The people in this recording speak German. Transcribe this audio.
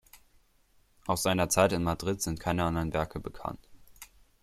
Aus seiner Zeit in Madrid sind keine anderen Werke bekannt.